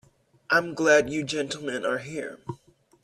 I'm glad you gentlemen are here.